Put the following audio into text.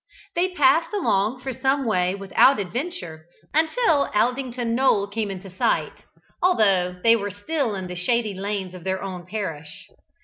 They passed along for some way without adventure, until Aldington Knoll came in sight, although they were still in the shady lanes of their own parish.